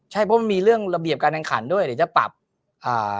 ใช่เพราะมันมีเรื่องระเบียบการแข่งขันด้วยเดี๋ยวจะปรับอ่า